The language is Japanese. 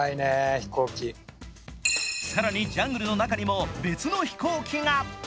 更にジャングルの中にも別の飛行機が。